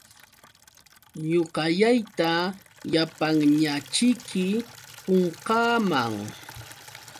Ñuqallayta llapanñaćhiki qunqaaman.